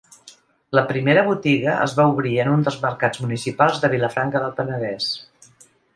La primera botiga es va obrir en un dels mercats municipals de Vilafranca del Penedès.